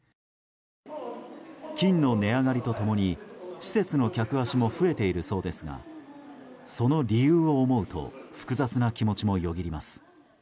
金の値上がりと共に施設の客足も増えているそうですがその理由を思うと複雑な気持ちもよぎります。